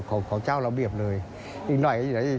คุณผู้ชมฟังเสียงเจ้าอาวาสกันหน่อยค่ะ